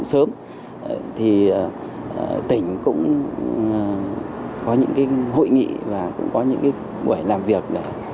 sớm thì tỉnh cũng có những cái hội nghị và cũng có những buổi làm việc